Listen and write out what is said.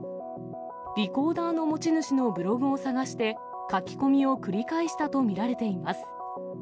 リコーダーの持ち主のブログを探して、書き込みを繰り返したと見られています。